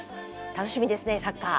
楽しみですね、サッカー。